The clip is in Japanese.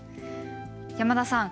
山田さん。